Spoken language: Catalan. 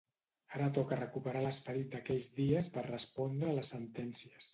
Ara toca recuperar l’esperit d’aquells dies per respondre a les sentències.